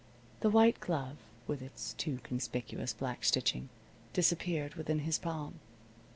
The white glove, with its too conspicuous black stitching, disappeared within his palm.